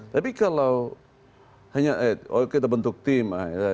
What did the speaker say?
tapi kalau hanya eh kita bentuk tim